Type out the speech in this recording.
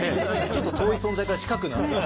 ちょっと遠い存在から近くなった。